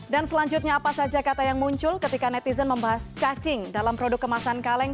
dan selanjutnya apa saja kata yang muncul ketika netizen membahas cacing dalam produk kemasan kaleng